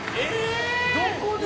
どこで？